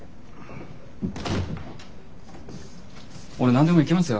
俺何でもいけますよ。